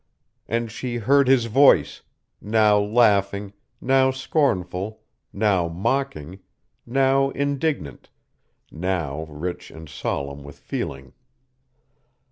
And she heard his voice, now laughing, now scornful, now mocking, now indignant, now rich and solemn with feeling.